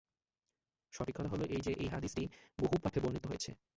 সঠিক কথা হলো এই যে, এ হাদীসটি বহু পাঠে বর্ণিত হয়েছে।